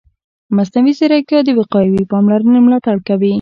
مصنوعي ځیرکتیا د وقایوي پاملرنې ملاتړ کوي.